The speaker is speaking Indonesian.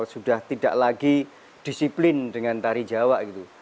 sudah tidak lagi disiplin dengan tari jawa gitu